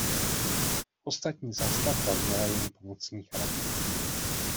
Ostatní zástavba měla jen pomocný charakter.